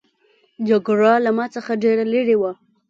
جګړه له ما څخه ډېره لیري وه.